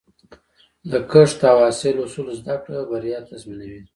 د کښت او حاصل اصول زده کړه، بریا تضمینوي.